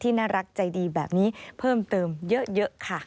น่ารักใจดีแบบนี้เพิ่มเติมเยอะค่ะ